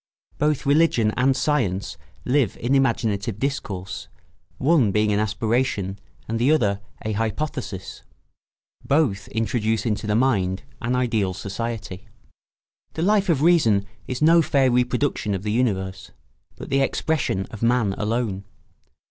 Both religion and science live in imaginative discourse, one being an aspiration and the other a hypothesis. Both introduce into the mind an ideal society. The Life of Reason is no fair reproduction of the universe, but the expression of man alone.